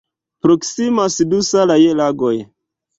Proksimas du salaj lagoj.